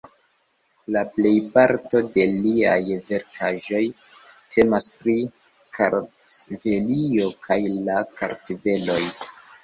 La plejparto de liaj verkaĵoj temas pri Kartvelio kaj la kartveloj.